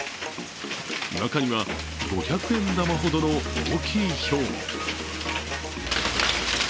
中には、五百円玉ほどの大きいひょうも。